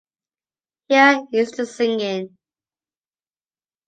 Here is the singing.